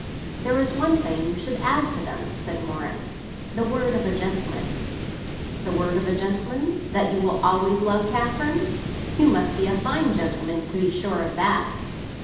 "There is one thing you should add to them," said Morris; "the word of a gentleman!" "The word of a gentleman that you will always love Catherine? You must be a very fine gentleman to be sure of that."